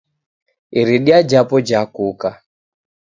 Iridia japo jakuka.